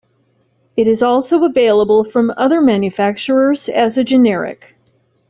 It is also available from other manufacturers as a generic.